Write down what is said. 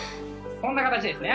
こんな形ですね」。